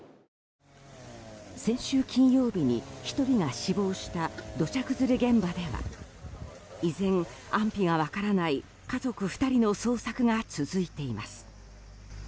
先週金曜日に１人が死亡した土砂崩れの現場では依然、安否が分からない家族２人の捜索が続いています。